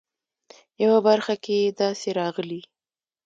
په یوه برخه کې یې داسې راغلي.